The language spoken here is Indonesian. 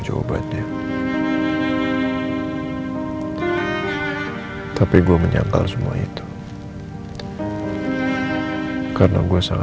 supaya ke depannya gak ada keraguan lagi